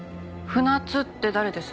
船津って誰です？